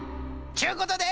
ちゅうことで！